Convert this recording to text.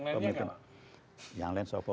yang lainnya apa yang lain soko